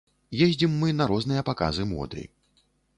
Ездзім мы на розныя паказы моды.